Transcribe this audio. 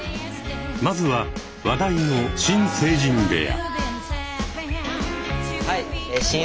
まずは話題の新成人部屋。